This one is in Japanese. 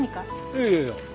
いやいやいや。